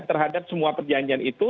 terhadap semua perjanjian itu